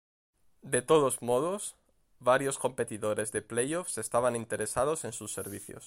De todos modos, varios competidores de playoffs estaban interesados en sus servicios.